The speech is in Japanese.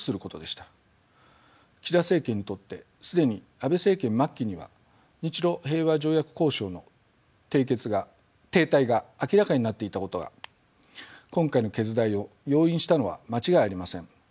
岸田政権にとって既に安倍政権末期には日ロ平和条約交渉の停滞が明らかになっていたことが今回の決断を容易にしたのは間違いありません。